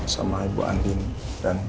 sama ibu andin dan